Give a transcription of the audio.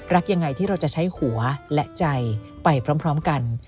รักยังไงที่เราจะใช้หัวและใจไปพร้อมกัน